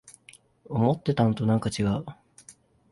思ってたのとなんかちがう